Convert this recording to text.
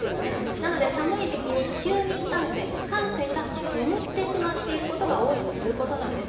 なので、寒い時期に休眠汗腺、汗腺が眠ってしまっていることが多いということなんです。